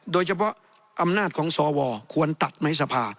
โดยเฉพาะอำนาจของสวควรตัดไหมสภา